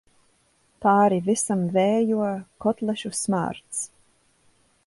Pāri visam vējo kotlešu smārds.